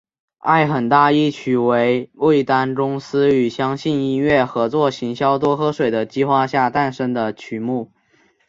爱很大一曲为味丹公司与相信音乐合作行销多喝水的计划下诞生的曲目。